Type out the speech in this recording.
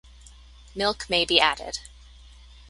Milk may be added.